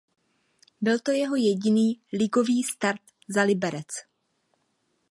Byl to jeho jediný ligový start za Liberec.